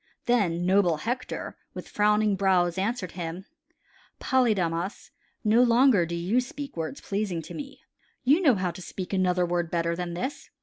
Then noble Hector with frowning brows answered him: "Polydamas, no longer do you speak words pleasing to me. You know how to speak another word better than this.